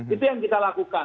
itu yang kita lakukan